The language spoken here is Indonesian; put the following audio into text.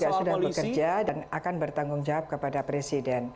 ya sudah bekerja dan akan bertanggung jawab kepada presiden